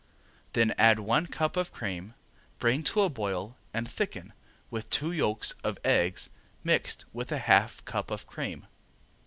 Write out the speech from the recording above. Then add one cup of cream, bring to a boil and thicken with two yolks of eggs mixed with a half cup of cream.